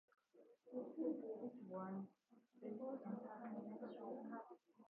It won Best Entertainment Show.